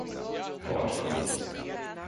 Kolačkov